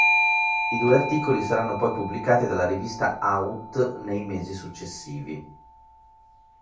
I due articoli saranno poi pubblicati dalla rivista "Aut" nei mesi successivi.